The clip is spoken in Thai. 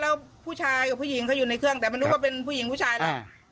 แล้วผู้ชายกับผู้หญิงเขาอยู่ในเครื่องแต่มันนึกว่าเป็นผู้หญิงผู้ชายนะ